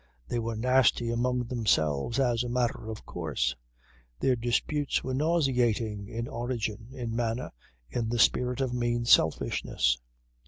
They were nasty amongst themselves as a matter of course; their disputes were nauseating in origin, in manner, in the spirit of mean selfishness.